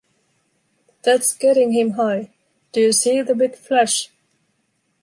“That's getting him high. Do you see the big flash?”